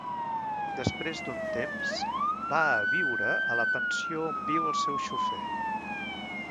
Després d'un temps va a viure a la pensió on viu el seu xofer.